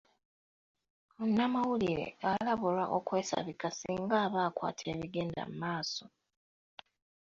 Munnamawulire alabulwa okwesabika singa aba akwata ebigenda maaso.